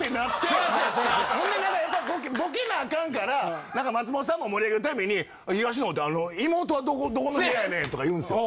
ほんで何かやっぱりボケなアカンから松本さんも盛り上げるためにおい東野妹はどこの部屋やねんとか言うんすよ。